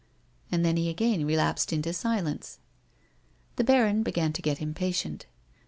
And then he again relapsed into silence. The baron began to get impatient.